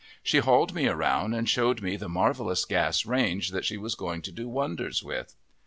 She hauled me around and showed me the marvelous gas range that she was going to do wonders with.